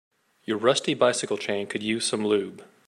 Your rusty bicycle chain could use some lube.